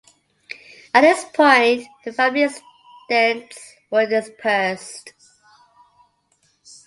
At this point the family estates were dispersed.